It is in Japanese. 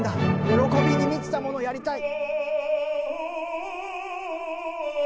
喜びに満ちたものをやりたい。